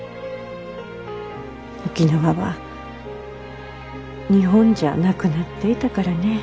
沖縄は日本じゃなくなっていたからねぇ。